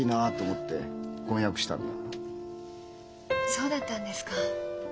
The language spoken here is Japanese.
そうだったんですか。